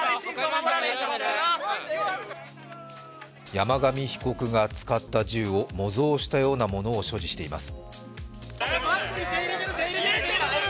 山上被告が使った銃を模造したようなものを所持しています。